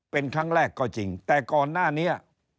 เป็นครั้งแรกก็จริงแต่ก่อนหน้านี้